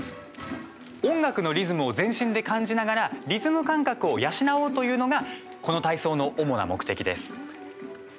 音楽のリズムを全身で感じながらリズム感覚を養おうというのがこの体操の主な目的です。